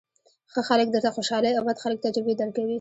ښه خلک درته خوشالۍ او بد خلک تجربې درکوي.